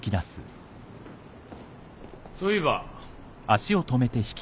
そういえば。